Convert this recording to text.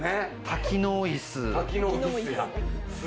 多機能イス。